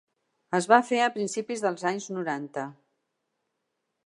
Es va fer a principis dels anys noranta.